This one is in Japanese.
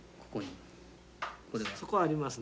そこありますね。